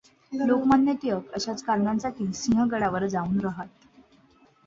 लोकमान्य टिळक अशाच कारणासाठी सिंहगडावर जाऊन रहात.